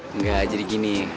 enggak jadi gini